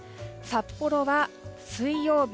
札幌は水曜日。